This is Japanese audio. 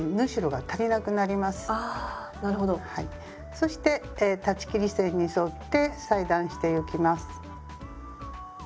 そして裁ち切り線に沿って裁断してゆきます。